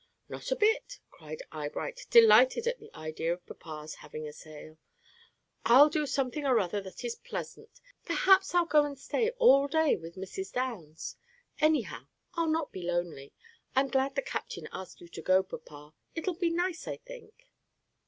"Not a bit," cried Eyebright, delighted at the idea of papa's having a sail. "I'll do something or other that is pleasant. Perhaps I'll go and stay all day with Mrs. Downs. Anyhow, I'll not be lonely. I'm glad the captain asked you to go, papa. It'll be nice, I think."